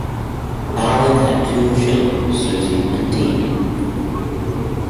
Alan had two children, Suzi and Dean.